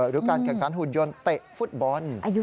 หรือการแข่งขันหุ่นยนต์เตะฟุตบอล